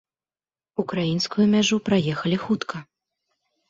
Украінскую мяжу праехалі хутка.